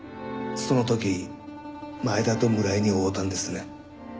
その時前田と村井に会うたんですね？